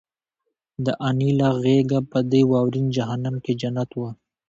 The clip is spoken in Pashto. د انیلا غېږه په دې واورین جهنم کې جنت وه